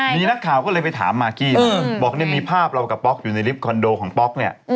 มีนักข่าวก็เลยไปถามมากกี้บอกเนี่ยมีภาพเรากับป๊อกอยู่ในลิฟต์คอนโดของป๊อกเนี่ย